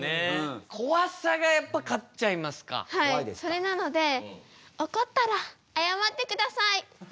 それなので怒ったらあやまって下さい。